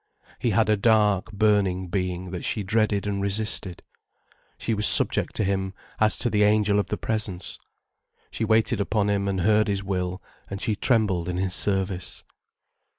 He had a dark, burning being that she dreaded and resisted. She was subject to him as to the Angel of the Presence. She waited upon him and heard his will, and she trembled in his service.